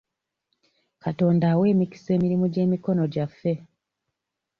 Katonda awa emikisa emirimu gy'emikono gyaffe.